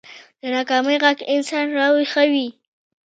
د ناکامۍ غږ انسان راويښوي